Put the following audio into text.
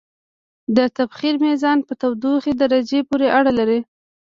د تبخیر میزان په تودوخې درجې پورې اړه لري.